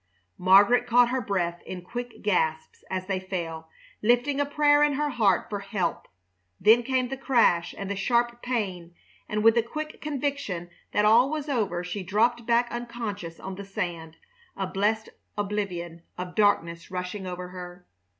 Margaret caught her breath in quick gasps as they fell, lifting a prayer in her heart for help. Then came the crash and the sharp pain, and with a quick conviction that all was over she dropped back unconscious on the sand, a blessed oblivion of darkness rushing over her.